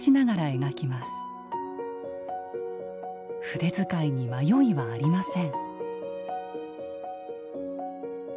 筆づかいに迷いはありません